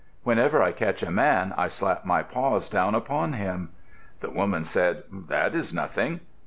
"Whenever I catch a man, I slap my paws down upon him." The woman said, "That is nothing."